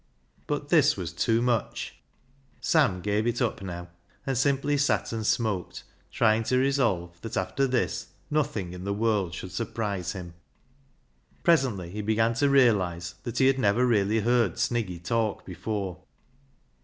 But this was too much ! Sam gave it up now, and simply sat and smoked, trying to resolve that after this nothing in the world should surprise him. Presently he began to realise that he had never really heard Sniggy talk before.